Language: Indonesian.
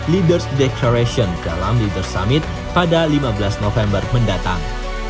leaders declaration dalam leader summit pada lima belas november mendatang